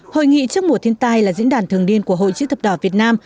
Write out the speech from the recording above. hội nghị trước mùa thiên tai là diễn đàn thường niên của hội chữ thập đỏ việt nam